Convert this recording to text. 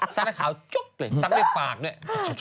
ซักแล้วขาวจกเลยซักด้วยปากด้วย